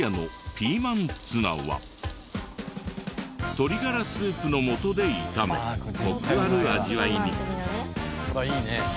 鶏ガラスープの素で炒めコクある味わいに。